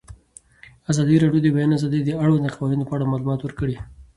ازادي راډیو د د بیان آزادي د اړونده قوانینو په اړه معلومات ورکړي.